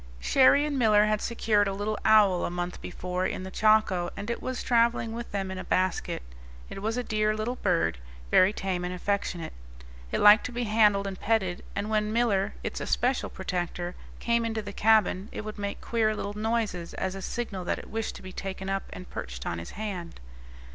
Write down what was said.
Cherrie and Miller had secured a little owl a month before in the Chaco, and it was travelling with them in a basket. It was a dear little bird, very tame and affectionate. It liked to be handled and petted; and when Miller, its especial protector, came into the cabin, it would make queer little noises as a signal that it wished to be taken up and perched on his hand.